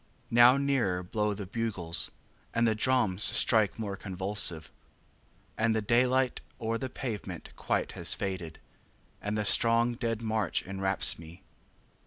6. Now nearer blow the bugles, And the drums strike more convulsive; And the daylight o'er the pavement quite has faded, And the strong dead march enwraps me.